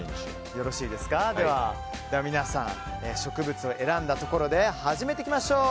では皆さん植物を選んだところで始めていきましょう。